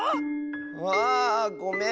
ああごめん！